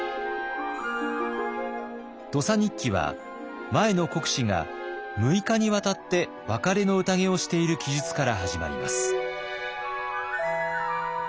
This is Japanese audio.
「土佐日記」は前の国司が６日にわたって別れの宴をしている記述から始まります。